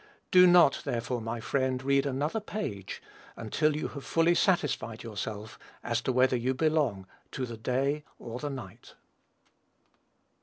Do not, therefore, my friend, read another page, until you have fully satisfied yourself as to whether you belong to the "day" or the "night."